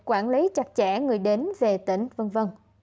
quản lý chặt chẽ người đến về tỉnh v v